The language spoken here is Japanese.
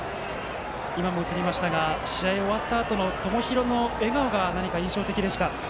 今も映りましたが試合が終わったあとの友廣の笑顔が印象的でした。